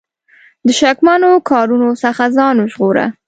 د شکمنو کارونو څخه ځان وژغوره.